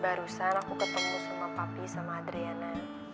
barusan aku ketemu sama papi sama adriana